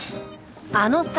あのさ。